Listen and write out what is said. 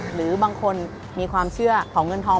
หรือบางคนมีความเชื่อของเงินทอง